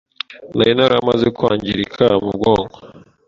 nari naramaze kwangirika mu bwonko